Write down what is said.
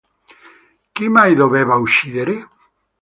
Chi mai doveva uccidere?